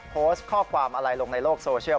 โพสต์ข้อความอะไรลงในโลกโซเชียล